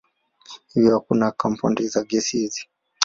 Hivyo hakuna kampaundi za gesi hizi.